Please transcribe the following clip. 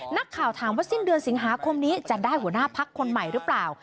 นักข่าวถามว่าสิ้นเดือนสิงหาคมนี้จะได้หัวหน้าพักคนใหม่หรือเปล่า